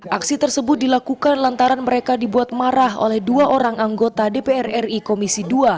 aksi tersebut dilakukan lantaran mereka dibuat marah oleh dua orang anggota dpr ri komisi dua